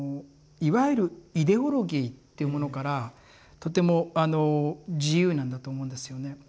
いわゆるイデオロギーっていうものからとても自由なんだと思うんですよね。